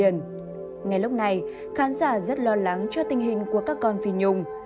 ngay lúc này khán giả rất lo lắng cho tình hình của các con phi nhung